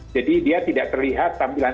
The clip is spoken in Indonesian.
jadi dia tidak terlihat tampilan